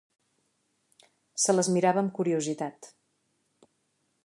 Se les mirava amb curiositat.